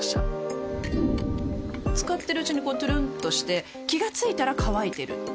使ってるうちにこうトゥルンとして気が付いたら乾いてる